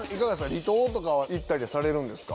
離島とかは行ったりされるんですか？